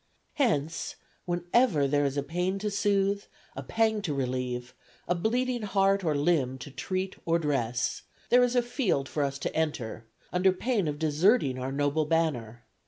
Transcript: Hence, wherever there is a pain to soothe, a pang to relieve, a bleeding heart or limb to treat or dress, there is a field for us to enter, under pain of deserting our noble banner....